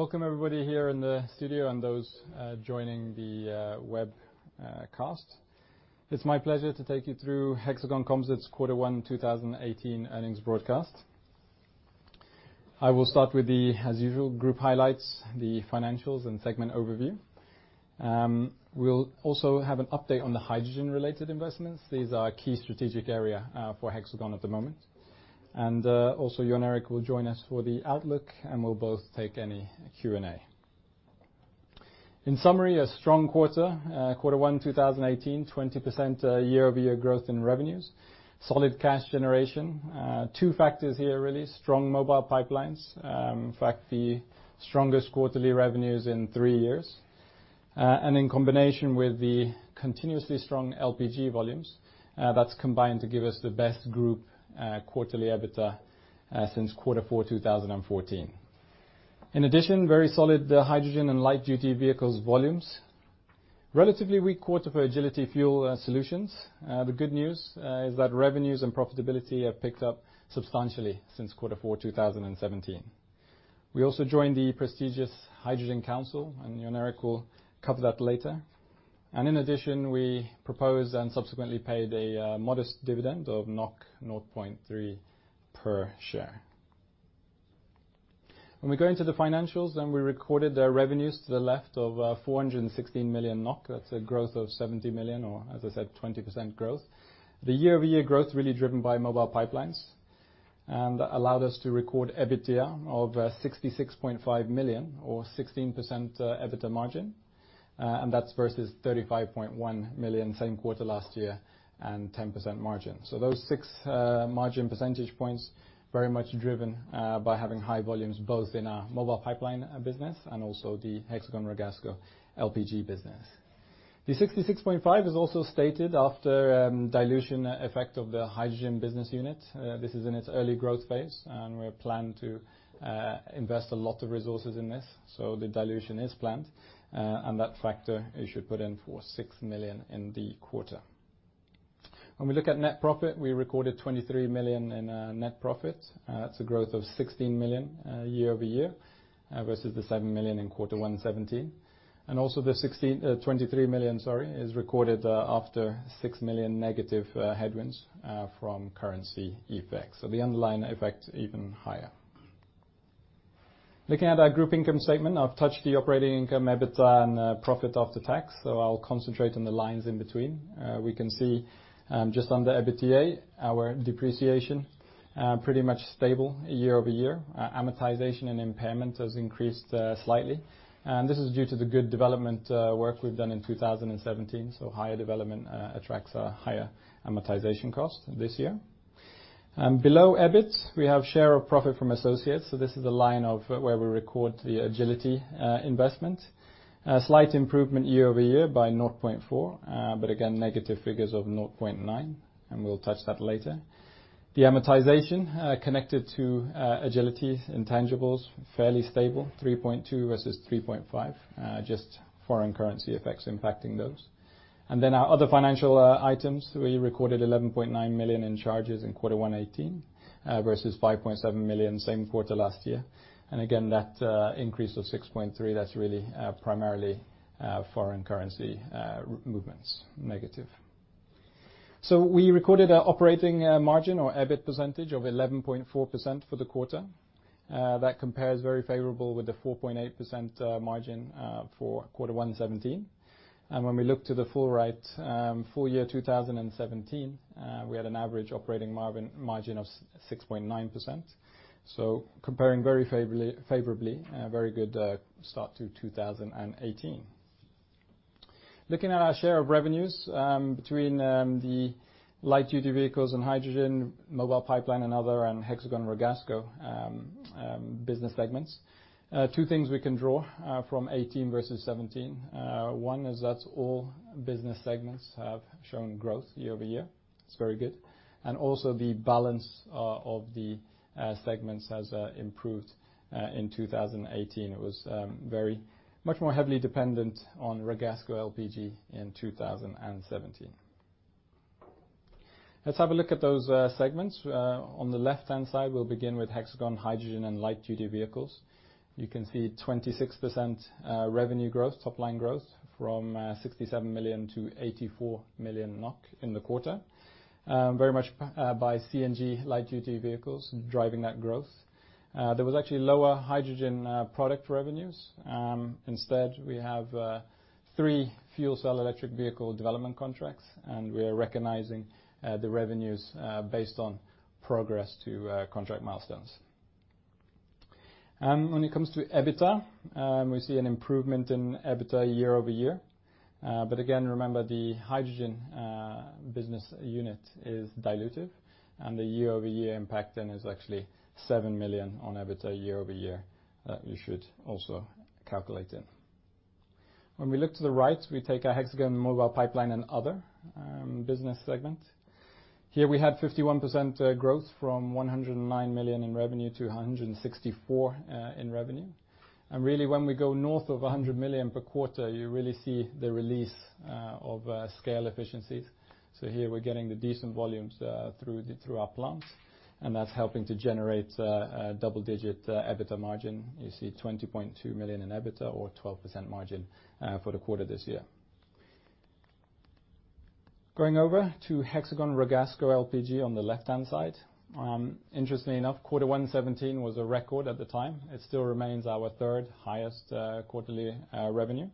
Welcome everybody here in the studio and those joining the webcast. It's my pleasure to take you through Hexagon Composites' Quarter 1 2018 earnings broadcast. I will start with the, as usual, group highlights, the financials, and segment overview. We'll also have an update on the hydrogen-related investments. These are a key strategic area for Hexagon at the moment. Jon Erik will join us for the outlook, and we'll both take any Q&A. In summary, a strong quarter. Quarter 1 2018, 20% year-over-year growth in revenues, solid cash generation. Two factors here, really. Strong mobile pipelines, in fact, the strongest quarterly revenues in three years. In combination with the continuously strong LPG volumes, that's combined to give us the best group quarterly EBITDA since Quarter 4 2014. In addition, very solid hydrogen and light-duty vehicles volumes. Relatively weak quarter for Agility Fuel Solutions. The good news is that revenues and profitability have picked up substantially since Quarter 4 2017. We also joined the prestigious Hydrogen Council, Jon Erik will cover that later. In addition, we proposed and subsequently paid a modest dividend of 0.3 per share. When we go into the financials, we recorded the revenues to the left of 416 million NOK. That's a growth of 70 million or, as I said, 20% growth. The year-over-year growth really driven by mobile pipelines allowed us to record EBITDA of 66.5 million or 16% EBITDA margin, that's versus 35.1 million same quarter last year 10% margin. So those six margin percentage points very much driven by having high volumes both in our mobile pipeline business and also the Hexagon Ragasco LPG business. The 66.5 is also stated after dilution effect of the hydrogen business unit. This is in its early growth phase, we plan to invest a lot of resources in this. The dilution is planned, that factor you should put in for 6 million in the quarter. When we look at net profit, we recorded 23 million in net profit. That's a growth of 16 million year-over-year versus the 7 million in Quarter 1 2017. The 23 million, sorry, is recorded after 6 million negative headwinds from currency effects. The underlying effect is even higher. Looking at our group income statement, I've touched the operating income, EBITDA, and profit after tax, I'll concentrate on the lines in between. We can see just under EBITDA, our depreciation pretty much stable year-over-year. Amortization and impairment has increased slightly, this is due to the good development work we've done in 2017. Higher development attracts a higher amortization cost this year. Below EBIT, we have share of profit from associates. This is a line of where we record the Agility investment. A slight improvement year-over-year by 0.4, but again, negative figures of 0.9, we'll touch that later. The amortization connected to Agility intangibles fairly stable, 3.2 versus 3.5, just foreign currency effects impacting those. Our other financial items, we recorded 11.9 million in charges in Quarter 1 2018 versus 5.7 million same quarter last year. That increase of 6.3, that's really primarily foreign currency movements negative. We recorded an operating margin or EBIT percentage of 11.4% for the quarter. That compares very favorably with the 4.8% margin for Quarter 1 2017. When we look to the full year 2017, we had an average operating margin of 6.9%. Comparing very favorably, a very good start to 2018. Looking at our share of revenues between the Light-Duty Vehicles and Hydrogen, Mobile Pipeline and Other, and Hexagon Ragasco business segments. Two things we can draw from 2018 versus 2017. One is that all business segments have shown growth year-over-year. It's very good. The balance of the segments has improved in 2018. It was much more heavily dependent on Ragasco LPG in 2017. Let's have a look at those segments. On the left-hand side, we will begin with Hexagon Hydrogen and Light-Duty Vehicles. You can see 26% revenue growth, top-line growth from 67 million to 84 million NOK in the quarter. Very much by CNG Light-Duty Vehicles driving that growth. There was actually lower Hydrogen product revenues. Instead, we have three fuel cell electric vehicle development contracts, and we are recognizing the revenues based on progress to contract milestones. It comes to EBITDA, we see an improvement in EBITDA year-over-year. But again, remember the Hydrogen business unit is dilutive and the year-over-year impact then is actually 7 million on EBITDA year-over-year you should also calculate in. When we look to the right, we take our Hexagon Mobile Pipeline and Other business segment. Here we had 51% growth from 109 million in revenue to 164 million in revenue. Really when we go north of 100 million per quarter, you really see the release of scale efficiencies. So here we are getting the decent volumes through our plants, and that's helping to generate a double-digit EBITDA margin. You see 20.2 million in EBITDA or 12% margin for the quarter this year. Going over to Hexagon Ragasco LPG on the left-hand side. Interestingly enough, Q1 2017 was a record at the time. It still remains our third highest quarterly revenue.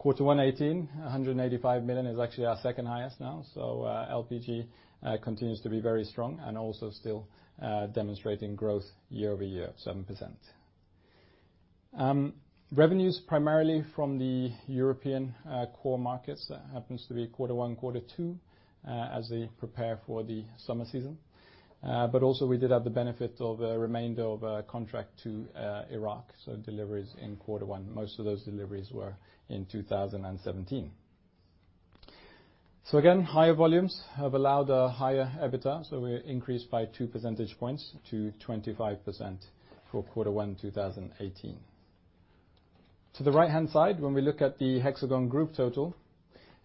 Q1 2018, 185 million is actually our second highest now. LPG continues to be very strong and also still demonstrating growth year-over-year, 7%. Revenues primarily from the European core markets. That happens to be Q1, Q2 as they prepare for the summer season. But also we did have the benefit of a remainder of a contract to Iraq, so deliveries in Q1. Most of those deliveries were in 2017. So again, higher volumes have allowed a higher EBITDA, so we increased by two percentage points to 25% for Q1 2018. To the right-hand side, when we look at the Hexagon Group total,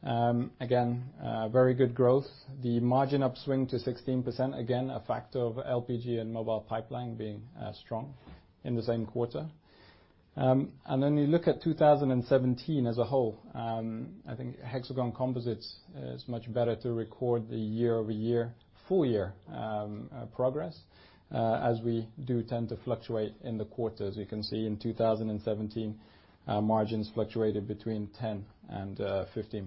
again, very good growth. The margin upswing to 16%, again, a factor of LPG and Mobile Pipeline being strong in the same quarter. You look at 2017 as a whole, I think Hexagon Composites is much better to record the year-over-year full year progress, as we do tend to fluctuate in the quarters. You can see in 2017, margins fluctuated between 10% and 15%.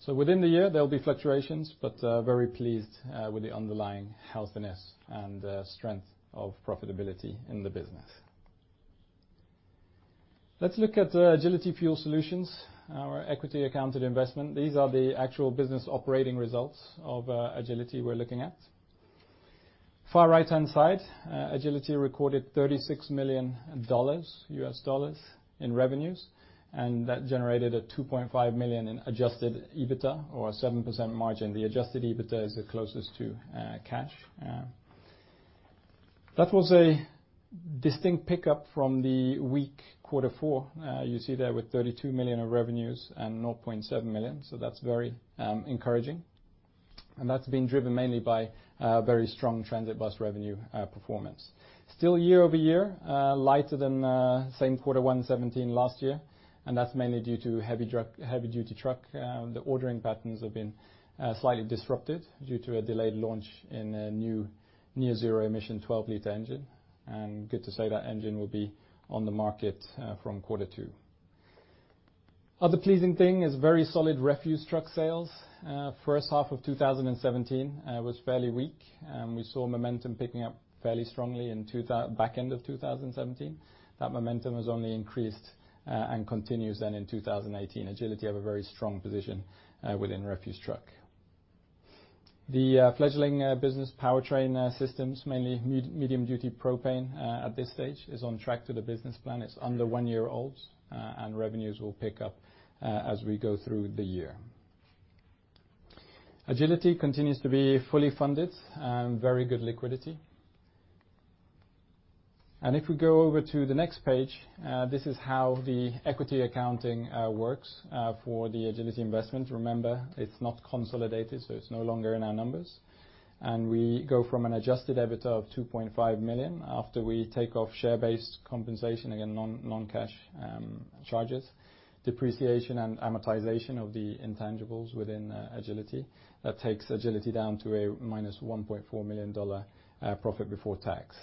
So within the year there will be fluctuations, but very pleased with the underlying healthiness and strength of profitability in the business. Let's look at Agility Fuel Solutions, our equity accounted investment. These are the actual business operating results of Agility we are looking at. Far right-hand side, Agility recorded $36 million in revenues, and that generated $2.5 million in adjusted EBITDA or a 7% margin. The adjusted EBITDA is the closest to cash. That was a distinct pickup from the weak quarter 4 you see there with $32 million of revenues and $0.7 million. That's very encouraging and that's been driven mainly by very strong transit bus revenue performance. Still year-over-year lighter than same Q1 2017 last year and that's mainly due to heavy-duty truck. The ordering patterns have been slightly disrupted due to a delayed launch in a new near zero emission 12 liter engine and good to say that engine will be on the market from Q2. Other pleasing thing is very solid refuse truck sales. First half of 2017 was fairly weak. We saw momentum picking up fairly strongly in back end of 2017. That momentum has only increased and continues then in 2018. Agility have a very strong position within refuse truck. The fledgling business powertrain systems, mainly medium-duty propane at this stage is on track to the business plan. It's under one year old and revenues will pick up as we go through the year. Agility continues to be fully funded and very good liquidity. If we go over to the next page, this is how the equity accounting works for the Agility investment. Remember, it's not consolidated so it's no longer in our numbers and we go from an adjusted EBITDA of $2.5 million after we take off share-based compensation. Again, non-cash charges, depreciation and amortization of the intangibles within Agility. That takes Agility down to a -$1.4 million profit before tax.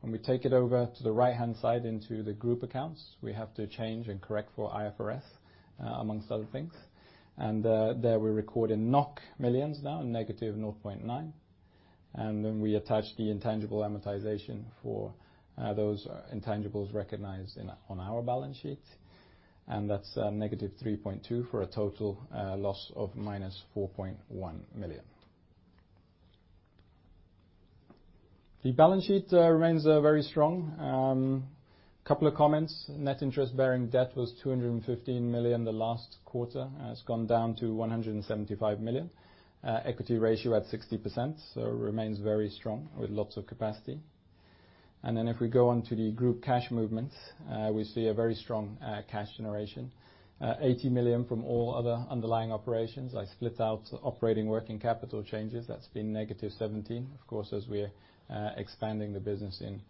When we take it over to the right-hand side into the group accounts, we have to change and correct for IFRS amongst other things. There we record in millions now negative 0.9 million and then we attach the intangible amortization for those intangibles recognized on our balance sheet and that's negative 3.2 million for a total loss of minus 4.1 million. The balance sheet remains very strong. Couple of comments. Net interest bearing debt was 215 million the last quarter has gone down to 175 million. Equity ratio at 60%, so remains very strong with lots of capacity. If we go on to the group cash movements, we see a very strong cash generation, 80 million from all other underlying operations. I split out operating working capital changes. That's been negative 17 million, of course as we're expanding the business in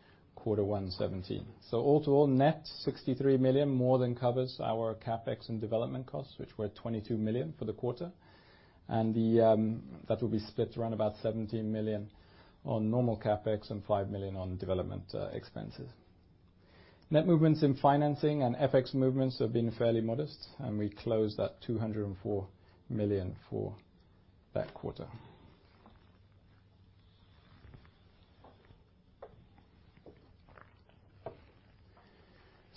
Q1 2017. All to all net 63 million more than covers our CapEx and development costs which were 22 million for the quarter. That will be split around about 17 million on normal CapEx and 5 million on development expenses. Net movements in financing and FX movements have been fairly modest and we closed at 204 million for that quarter.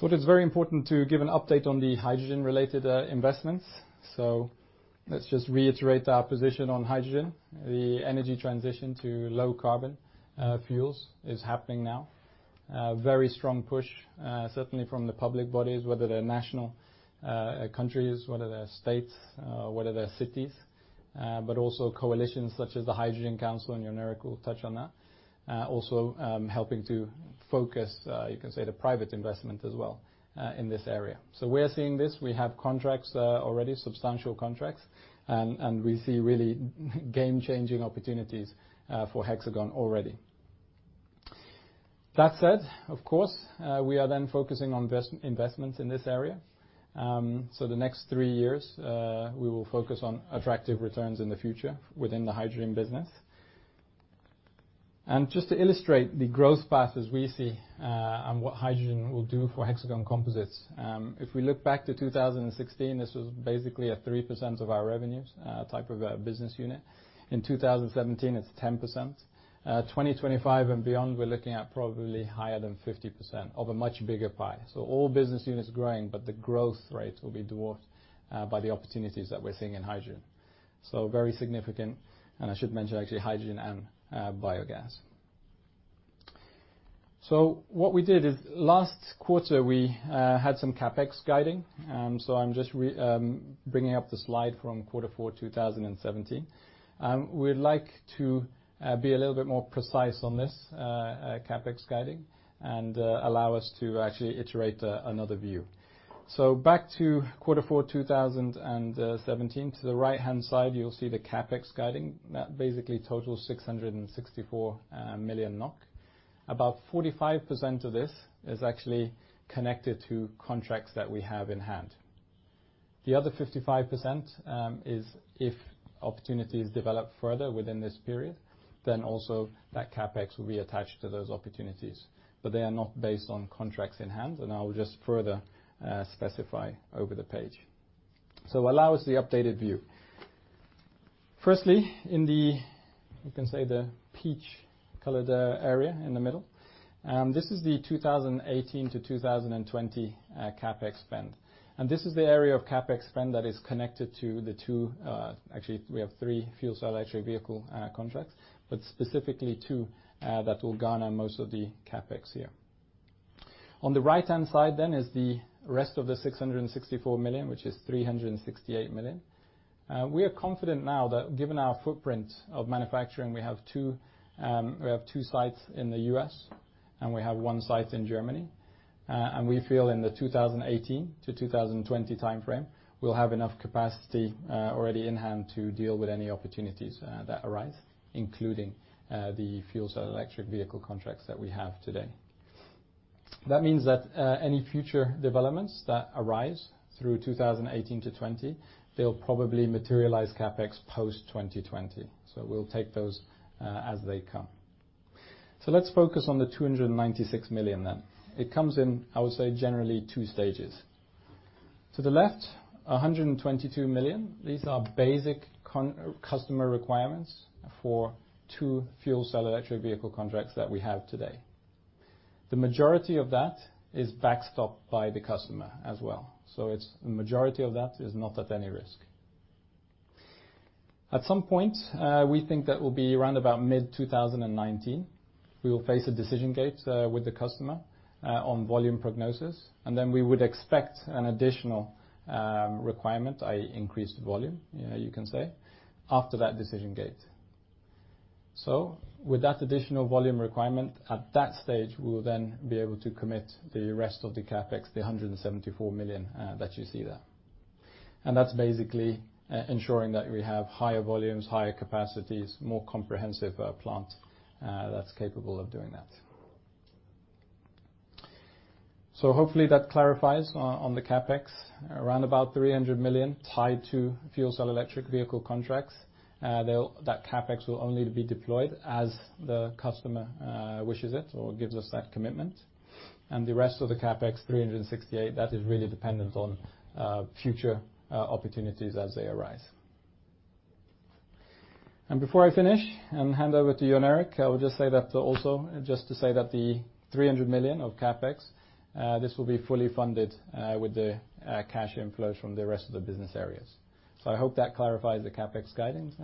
It is very important to give an update on the hydrogen related investments. Let's just reiterate our position on hydrogen. The energy transition to low carbon fuels is happening now. Very strong push certainly from the public bodies, whether they're national countries, whether they're states, whether they're cities, but also coalitions such as the Hydrogen Council and Jon Erik will touch on that. Also helping to focus, you can say, the private investment as well in this area. We're seeing this. We have contracts already, substantial contracts, and we see really game-changing opportunities for Hexagon already. That said, of course, we are then focusing on investments in this area. The next three years, we will focus on attractive returns in the future within the hydrogen business. Just to illustrate the growth path as we see, and what hydrogen will do for Hexagon Composites. If we look back to 2016, this was basically a 3% of our revenues type of a business unit. In 2017, it's 10%. 2025 and beyond, we're looking at probably higher than 50% of a much bigger pie. All business units growing, but the growth rate will be dwarfed by the opportunities that we're seeing in hydrogen. Very significant. I should mention actually hydrogen and biogas. What we did is last quarter, we had some CapEx guiding. I'm just bringing up the slide from quarter four 2017. We'd like to be a little bit more precise on this CapEx guiding and allow us to actually iterate another view. Back to quarter four 2017. To the right-hand side, you'll see the CapEx guiding. That basically totals 664 million NOK. About 45% of this is actually connected to contracts that we have in hand. The other 55% is if opportunities develop further within this period, then also that CapEx will be attached to those opportunities, but they are not based on contracts in hand. I will just further specify over the page. Allow us the updated view. Firstly, in the, you can say, the peach colored area in the middle. This is the 2018-2020 CapEx spend. This is the area of CapEx spend that is connected to the two, actually we have three fuel cell electric vehicle contracts, but specifically two that will garner most of the CapEx here. On the right-hand side then is the rest of the 664 million, which is 368 million. We are confident now that given our footprint of manufacturing, we have two sites in the U.S. and we have one site in Germany. We feel in the 2018-2020 timeframe, we'll have enough capacity already in hand to deal with any opportunities that arise, including the fuel cell electric vehicle contracts that we have today. That means that any future developments that arise through 2018-2020, they'll probably materialize CapEx post 2020. We'll take those as they come. Let's focus on the 296 million then. It comes in, I would say, generally 2 stages. To the left, 122 million. These are basic customer requirements for two fuel cell electric vehicle contracts that we have today. The majority of that is backstopped by the customer as well. The majority of that is not at any risk. At some point, we think that will be around about mid-2019, we will face a decision gate with the customer on volume prognosis, and then we would expect an additional requirement, increased volume, you can say, after that decision gate. With that additional volume requirement, at that stage, we will then be able to commit the rest of the CapEx, the 174 million that you see there. That's basically ensuring that we have higher volumes, higher capacities, more comprehensive plant that's capable of doing that. Hopefully that clarifies on the CapEx. Around about 300 million tied to fuel cell electric vehicle contracts. That CapEx will only be deployed as the customer wishes it or gives us that commitment. The rest of the CapEx, 368 million, that is really dependent on future opportunities as they arise. Before I finish and hand over to Jon Erik, I will just say that also just to say that the 300 million of CapEx, this will be fully funded with the cash inflows from the rest of the business areas. I hope that clarifies the CapEx guidance.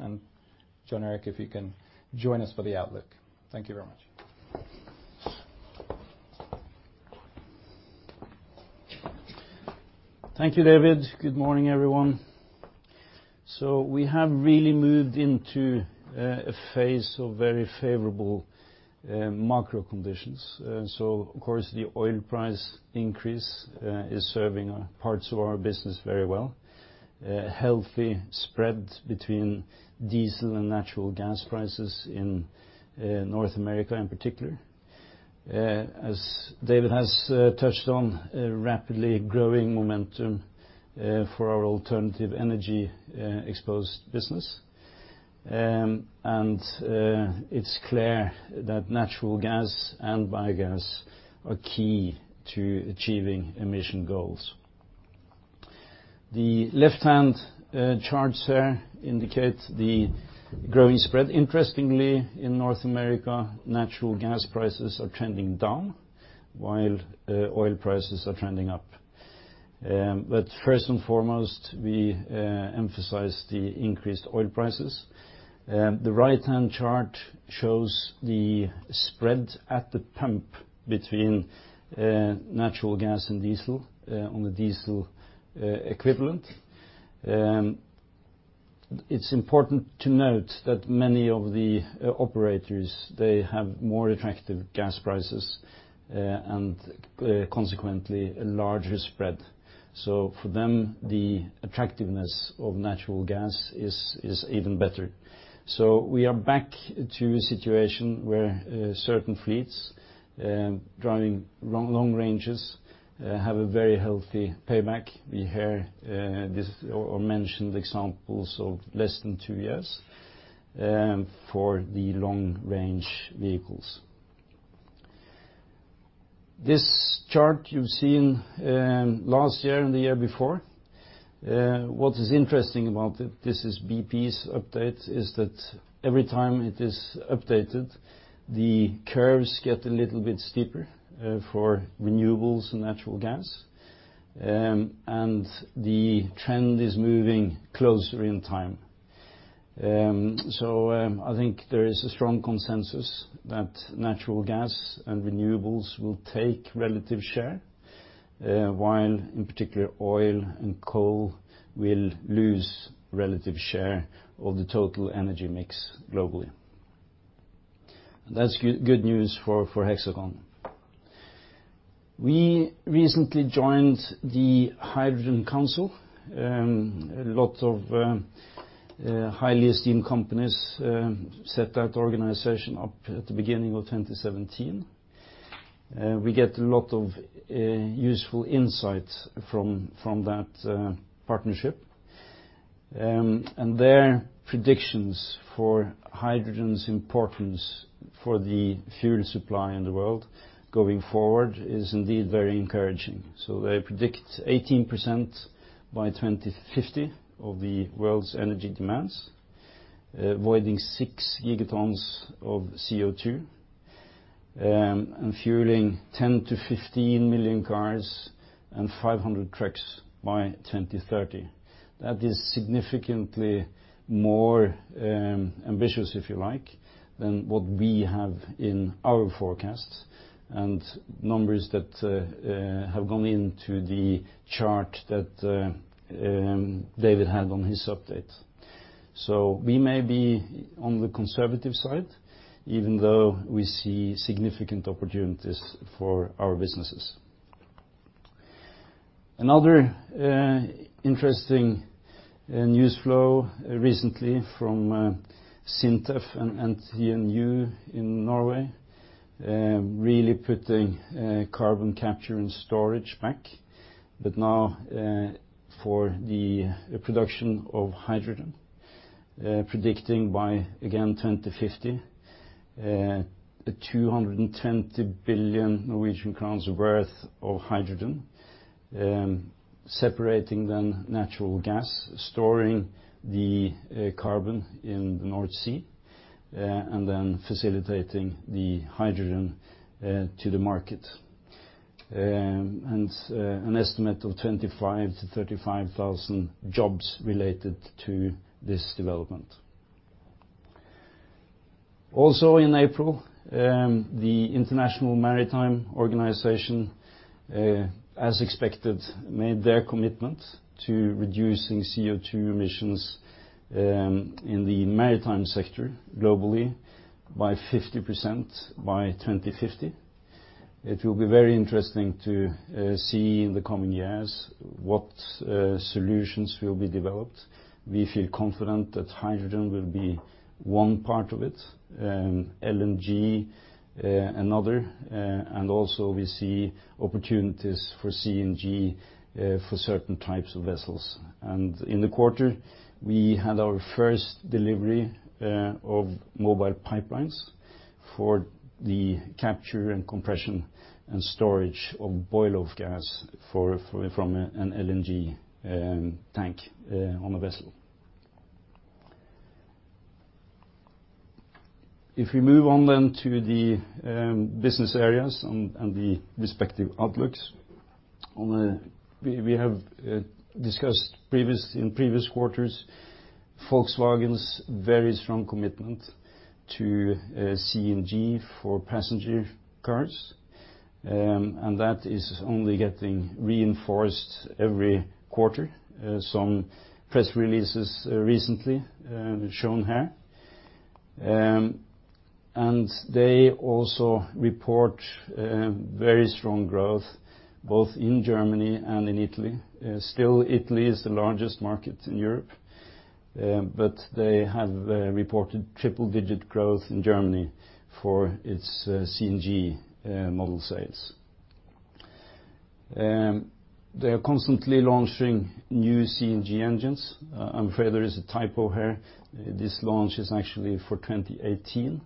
Jon Erik, if you can join us for the outlook. Thank you very much. Thank you, David. Good morning, everyone. We have really moved into a phase of very favorable macro conditions. Of course, the oil price increase is serving parts of our business very well. A healthy spread between diesel and natural gas prices in North America in particular. As David has touched on, a rapidly growing momentum for our alternative energy exposed business. It's clear that natural gas and biogas are key to achieving emission goals. The left-hand charts there indicate the growing spread. Interestingly, in North America, natural gas prices are trending down while oil prices are trending up. First and foremost, we emphasize the increased oil prices. The right-hand chart shows the spread at the pump between natural gas and diesel on the diesel equivalent. It's important to note that many of the operators have more attractive gas prices and consequently, a larger spread. For them, the attractiveness of natural gas is even better. We are back to a situation where certain fleets driving long ranges have a very healthy payback. We hear this, or mentioned examples of less than two years for the long-range vehicles. This chart you've seen last year and the year before. What is interesting about it, this is BP's update, is that every time it is updated, the curves get a little bit steeper for renewables and natural gas. The trend is moving closer in time. I think there is a strong consensus that natural gas and renewables will take relative share, while in particular oil and coal will lose relative share of the total energy mix globally. That's good news for Hexagon. We recently joined the Hydrogen Council. A lot of highly esteemed companies set that organization up at the beginning of 2017. We get a lot of useful insights from that partnership. Their predictions for hydrogen's importance for the fuel supply in the world going forward is indeed very encouraging. They predict 18% by 2050 of the world's energy demands, avoiding six gigatons of CO2, and fueling 10 to 15 million cars and 500 trucks by 2030. That is significantly more ambitious, if you like, than what we have in our forecasts and numbers that have gone into the chart that David had on his update. We may be on the conservative side, even though we see significant opportunities for our businesses. Another interesting news flow recently from SINTEF and NTNU in Norway, really putting carbon capture and storage back, but now for the production of hydrogen. Predicting by, again, 2050, NOK 220 billion worth of hydrogen, separating then natural gas, storing the carbon in the North Sea, and then facilitating the hydrogen to the market. An estimate of 25,000-35,000 jobs related to this development. In April, the International Maritime Organization, as expected, made their commitment to reducing CO2 emissions in the maritime sector globally by 50% by 2050. It will be very interesting to see in the coming years what solutions will be developed. We feel confident that hydrogen will be one part of it, LNG another, and also we see opportunities for CNG for certain types of vessels. In the quarter, we had our first delivery of Mobile Pipelines for the capture and compression and storage of boil-off gas from an LNG tank on a vessel. If we move on then to the business areas and the respective outlooks. We have discussed in previous quarters Volkswagen's very strong commitment to CNG for passenger cars, and that is only getting reinforced every quarter. Some press releases recently shown here. They also report very strong growth both in Germany and in Italy. Still, Italy is the largest market in Europe, but they have reported triple-digit growth in Germany for its CNG model sales. They are constantly launching new CNG engines. I'm afraid there is a typo here. This launch is actually for 2018,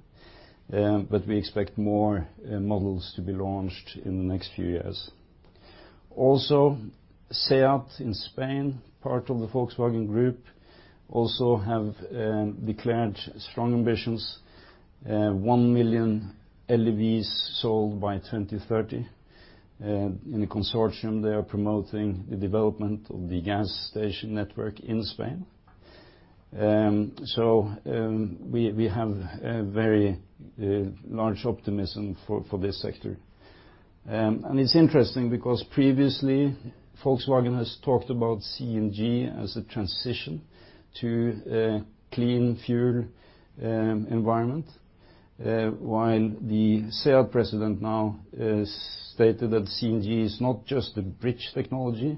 but we expect more models to be launched in the next few years. SEAT in Spain, part of the Volkswagen Group, also have declared strong ambitions, 1 million LEVs sold by 2030. In a consortium, they are promoting the development of the gas station network in Spain. We have a very large optimism for this sector. It's interesting because previously Volkswagen has talked about CNG as a transition to a clean fuel environment, while the sale president now has stated that CNG is not just a bridge technology,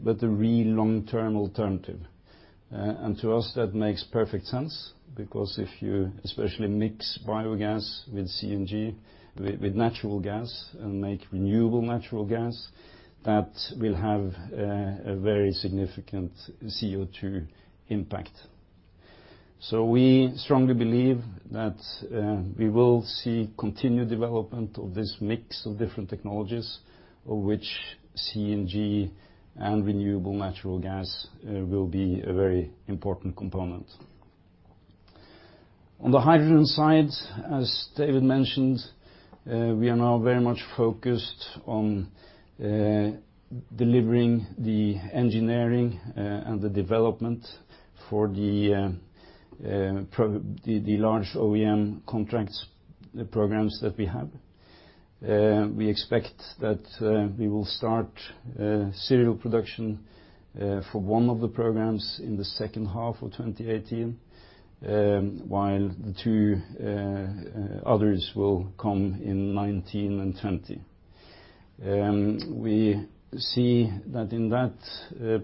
but a real long-term alternative. To us, that makes perfect sense because if you especially mix biogas with CNG, with natural gas, and make renewable natural gas, that will have a very significant CO2 impact. We strongly believe that we will see continued development of this mix of different technologies, of which CNG and renewable natural gas will be a very important component. On the hydrogen side, as David mentioned, we are now very much focused on delivering the engineering and the development for the large OEM contracts programs that we have. We expect that we will start serial production for one of the programs in the second half of 2018, while the two others will come in 2019 and 2020. We see that in that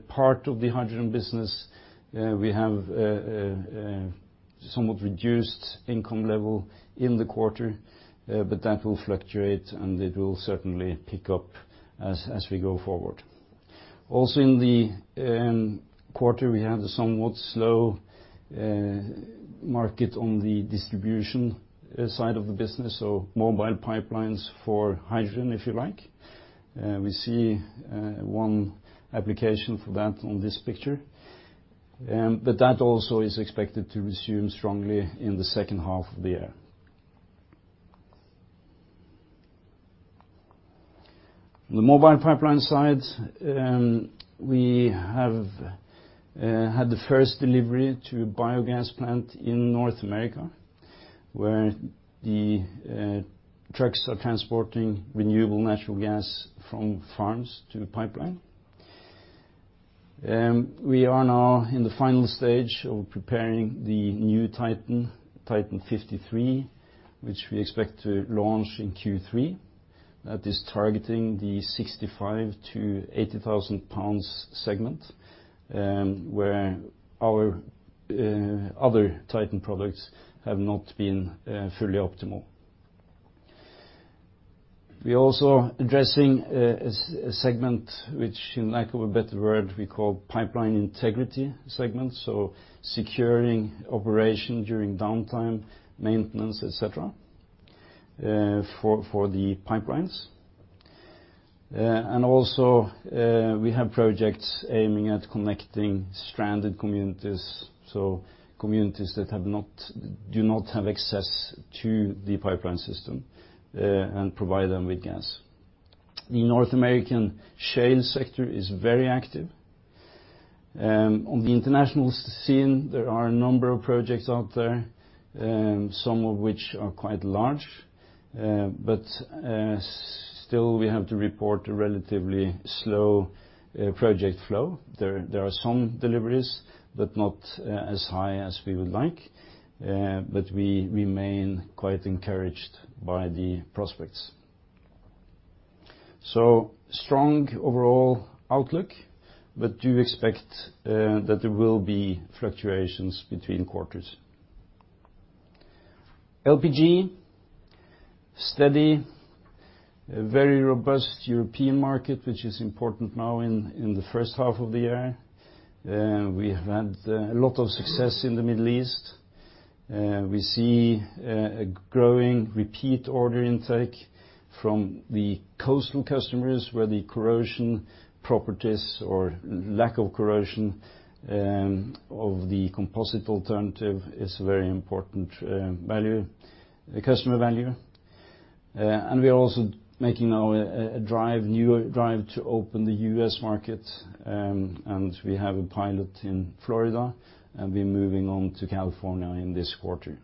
part of the hydrogen business, we have a somewhat reduced income level in the quarter, but that will fluctuate and it will certainly pick up as we go forward. In the quarter, we had a somewhat slow market on the distribution side of the business, so Mobile Pipelines for hydrogen, if you like. We see one application for that on this picture. That also is expected to resume strongly in the second half of the year. On the Mobile Pipeline side, we have had the first delivery to a biogas plant in North America, where the trucks are transporting renewable natural gas from farms to pipeline. We are now in the final stage of preparing the new TITAN 53, which we expect to launch in Q3. That is targeting the 65,000-80,000 pounds segment, where our other TITAN products have not been fully optimal. We are also addressing a segment which, in lack of a better word, we call pipeline integrity segment, so securing operation during downtime, maintenance, et cetera, for the pipelines. Also, we have projects aiming at connecting stranded communities, so communities that do not have access to the pipeline system, and provide them with gas. The North American shale sector is very active. On the international scene, there are a number of projects out there, some of which are quite large. Still, we have to report a relatively slow project flow. There are some deliveries, not as high as we would like. We remain quite encouraged by the prospects. Strong overall outlook, do expect that there will be fluctuations between quarters. LPG, steady. A very robust European market, which is important now in the first half of the year. We have had a lot of success in the Middle East. We see a growing repeat order intake from the coastal customers, where the corrosion properties or lack of corrosion of the composite alternative is a very important customer value. We are also making now a new drive to open the U.S. market, and we have a pilot in Florida, and we are moving on to California in this quarter.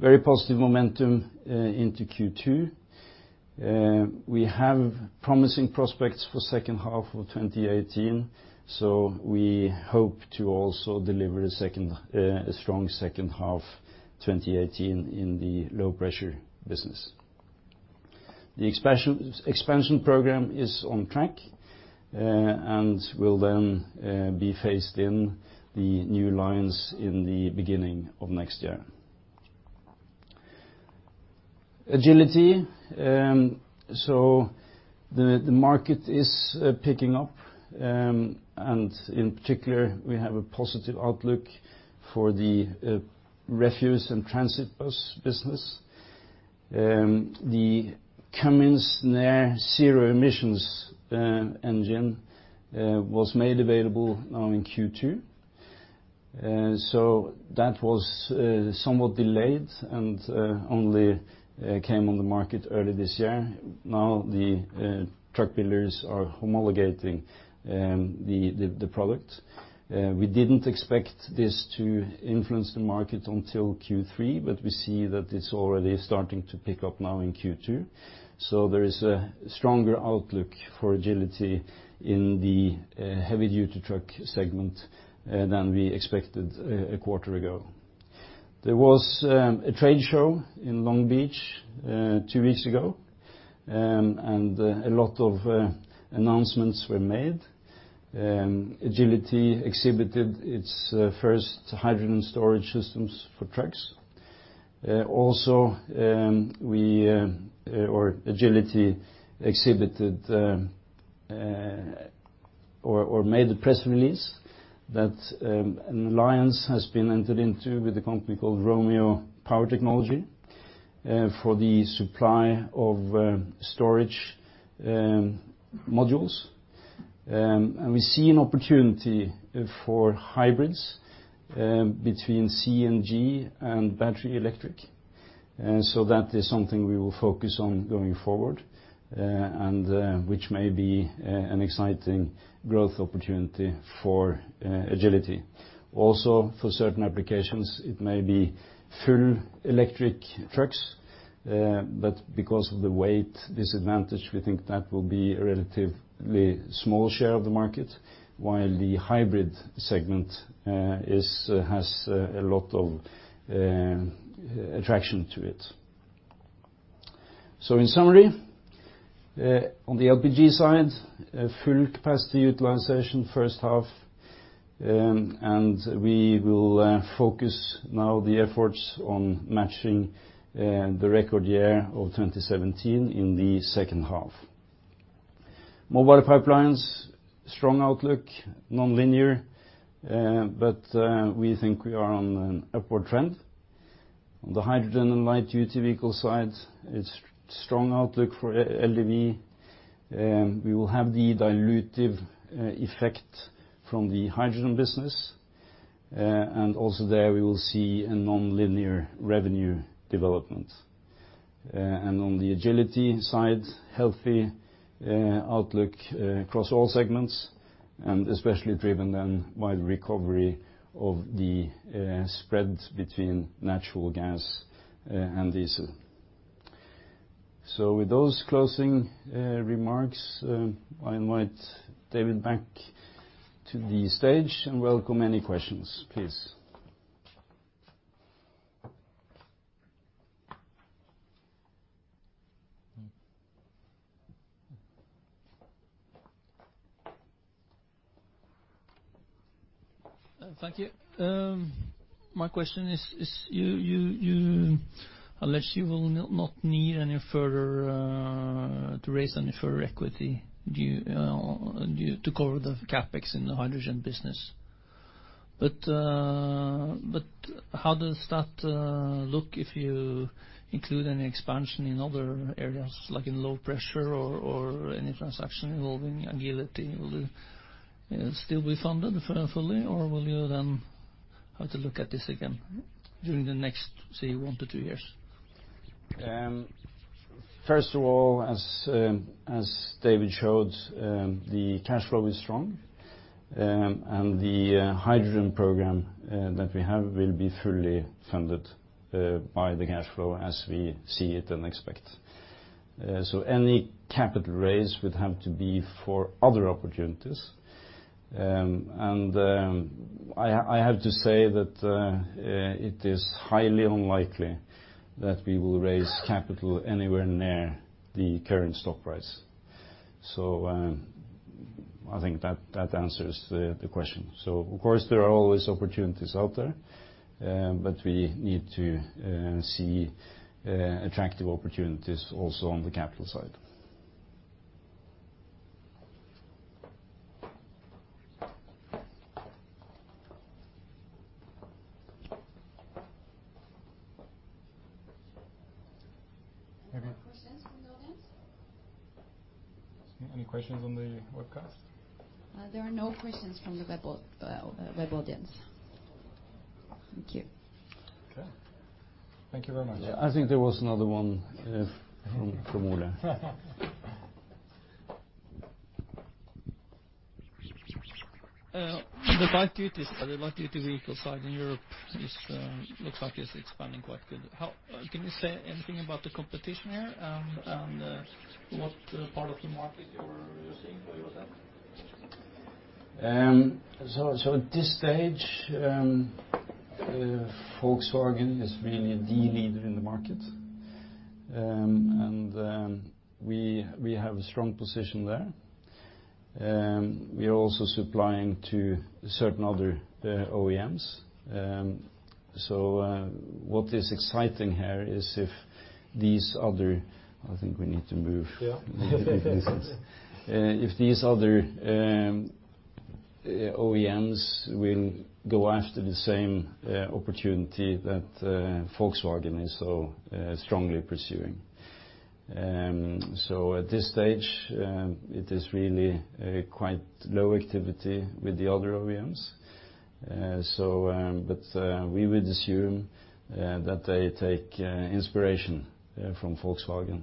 Very positive momentum into Q2. We have promising prospects for second half of 2018, we hope to also deliver a strong second half 2018 in the low-pressure business. The expansion program is on track and will be phased in the new lines in the beginning of next year. Agility. The market is picking up, and in particular, we have a positive outlook for the refuse and transit bus business. The Cummins Near-Zero NOx engine was made available now in Q2. That was somewhat delayed and only came on the market early this year. The truck builders are homologating the product. We didn't expect this to influence the market until Q3, we see that it is already starting to pick up now in Q2. There is a stronger outlook for Agility in the heavy-duty truck segment than we expected a quarter ago. There was a trade show in Long Beach two weeks ago. A lot of announcements were made. Agility exhibited its first hydrogen storage systems for trucks. Also, Agility exhibited or made a press release that an alliance has been entered into with a company called Romeo Power for the supply of storage modules. We see an opportunity for hybrids between CNG and battery electric. That is something we will focus on going forward, and which may be an exciting growth opportunity for Agility. Also, for certain applications, it may be full electric trucks, because of the weight disadvantage, we think that will be a relatively small share of the market. While the hybrid segment has a lot of attraction to it. In summary, on the LPG side, full capacity utilization first half, and we will focus now the efforts on matching the record year of 2017 in the second half. Mobile Pipeline, strong outlook, nonlinear, we think we are on an upward trend. On the hydrogen and light-duty vehicle side, it's strong outlook for LCV. We will have the dilutive effect from the hydrogen business. Also there we will see a nonlinear revenue development. On the Agility side, healthy outlook across all segments, especially driven then by the recovery of the spread between natural gas and diesel. With those closing remarks, I invite David back to the stage and welcome any questions. Please. Thank you. My question is, unless you will not need any further to raise any further equity to cover the CapEx in the hydrogen business. How does that look if you include any expansion in other areas, like in low pressure or any transaction involving Agility? Will you still be funded fully, or will you then have to look at this again during the next, say, one to two years? First of all, as David showed, the cash flow is strong. The hydrogen program that we have will be fully funded by the cash flow as we see it and expect. Any capital raise would have to be for other opportunities. I have to say that it is highly unlikely that we will raise capital anywhere near the current stock price. I think that answers the question. Of course, there are always opportunities out there, but we need to see attractive opportunities also on the capital side. Any more questions from the audience? Any questions on the webcast? There are no questions from the web audience. Thank you. Okay. Thank you very much. I think there was another one from Ole. The light-duty vehicle side in Europe looks like it's expanding quite good. Can you say anything about the competition there and what part of the market you are seeing for yourself? Volkswagen is really the leader in the market. We have a strong position there. We are also supplying to certain other OEMs. What is exciting here is if these other Yeah. If these other OEMs will go after the same opportunity that Volkswagen is so strongly pursuing. At this stage, it is really quite low activity with the other OEMs. We would assume that they take inspiration from Volkswagen.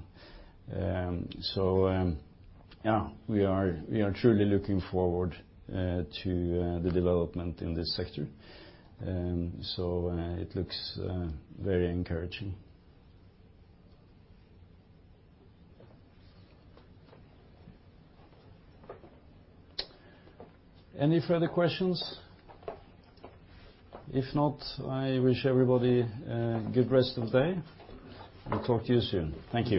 Yeah, we are truly looking forward to the development in this sector. It looks very encouraging. Any further questions? If not, I wish everybody a good rest of the day, and talk to you soon. Thank you